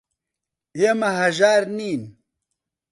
ئێمە هەژار نین.